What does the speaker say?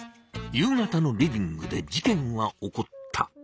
夕方のリビングで事件は起こった。